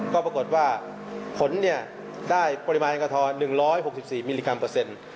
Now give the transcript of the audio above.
ก็ปรากฏว่าค้นเนี่ยได้ปริมาณกระทอ๑๖๔มิลลิกรัมเปอร์เซ็นต์